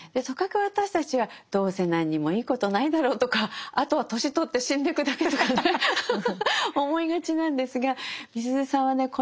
とかく私たちはどうせ何にもいいことないだろうとかあとは年取って死んでくだけとかね思いがちなんですがみすゞさんはね